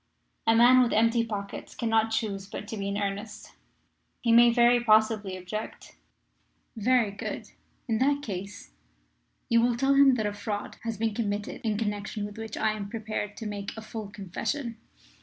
A man with empty pockets cannot choose but be in earnest. "He may very possibly object. "Very good. In that case you will tell him that a fraud has been committed in connection with which I am prepared to make a full confession.